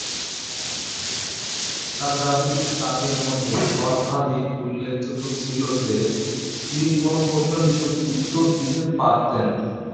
তার জাদুকরী কাজের মধ্যে সর্বাধিক উল্লেখযোগ্য ছিল যে তিনি কোনও প্রশ্নের উত্তর দিতে পারতেন।